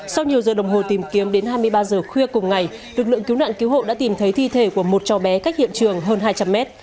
sau nhiều giờ đồng hồ tìm kiếm đến hai mươi ba giờ khuya cùng ngày lực lượng cứu nạn cứu hộ đã tìm thấy thi thể của một cháu bé cách hiện trường hơn hai trăm linh mét